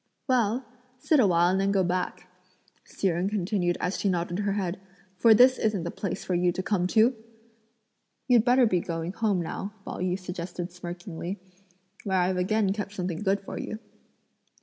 "Well, sit a while and then go back;" Hsi Jen continued as she nodded her head; "for this isn't the place for you to come to!" "You'd better be going home now," Pao yü suggested smirkingly; "where I've again kept something good for you."